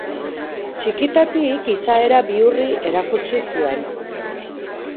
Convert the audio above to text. Txikitatik izaera bihurri erakutsi zuen.